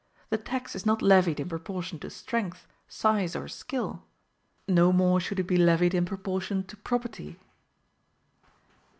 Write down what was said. The tax is not levied in proportion to strength, size, or skill: no more should it be levied in proportion to property.